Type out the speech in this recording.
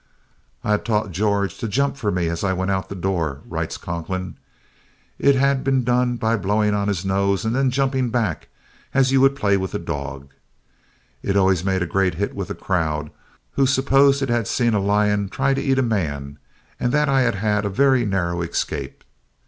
"I had taught George to jump for me as I went out the door," writes Conklin. "It had been done by blowing on his nose and then jumping back as you would play with a dog. It always made a great hit with the crowd, who supposed it had seen a lion try to eat a man and that I had had a very narrow escape.